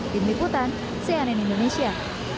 dini kutan cnn indonesia